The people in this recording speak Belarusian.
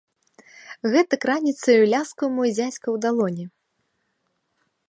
Гэтак раніцаю ляскаў мой дзядзька ў далоні.